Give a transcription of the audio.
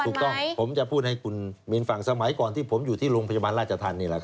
ถูกต้องผมจะพูดให้คุณมินฟังสมัยก่อนที่ผมอยู่ที่โรงพยาบาลราชธรรมนี่แหละครับ